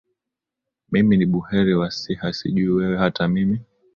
mimi ni buheri wa siha sijui wewe hata mimi